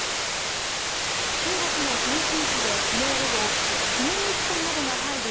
中国の天津市で昨日午後金融機関などが入る